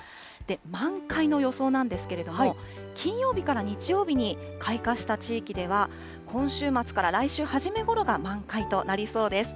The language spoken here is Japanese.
満開の予想なんですけれども、金曜日から日曜日に開花した地域では、今週末から来週初めごろが満開となりそうです。